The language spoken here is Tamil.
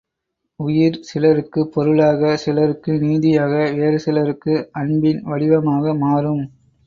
உயிர் சிலருக்குப் பொருளாக சிலருக்கு நீதியாக வேறு சிலருக்கு அன்பின் வடிவமாக மாறும்.